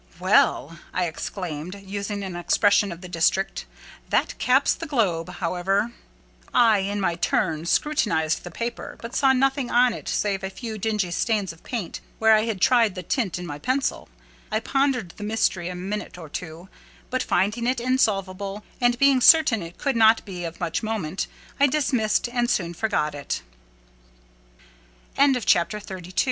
"Well!" I exclaimed, using an expression of the district, "that caps the globe, however!" I, in my turn, scrutinised the paper; but saw nothing on it save a few dingy stains of paint where I had tried the tint in my pencil. I pondered the mystery a minute or two; but finding it insolvable, and being certain it could not be of much moment, I dismissed, and soon forgot it. CHAPTER XXXIII When Mr. St.